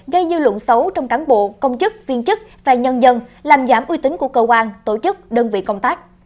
gây dư luận xấu trong cán bộ công chức viên chức và nhân dân làm giảm uy tín của cơ quan tổ chức đơn vị công tác